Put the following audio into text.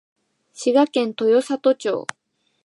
滋賀県豊郷町